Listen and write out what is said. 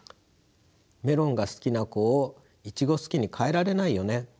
メロンが好きな子をイチゴ好きに変えられないよね。